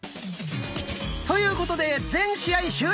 ということで全試合終了！